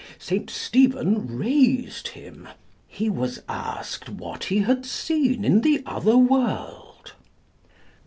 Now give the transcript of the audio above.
St. Stephen raised him. He was asked what he had seen in the other world.